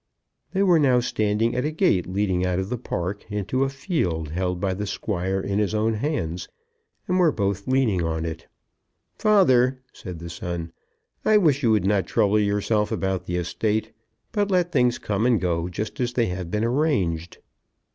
They were now standing at a gate leading out of the park into a field held by the Squire in his own hands, and were both leaning on it. "Father," said the son, "I wish you would not trouble yourself about the estate, but let things come and go just as they have been arranged."